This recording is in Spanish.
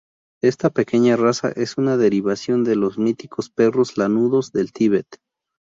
Esta pequeña raza es una derivación de los míticos perros lanudos del Tíbet.